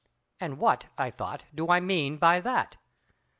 And what—I thought do I mean by that?